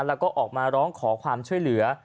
แล้วก็ออกมาร้องขอความช่วยเหลือ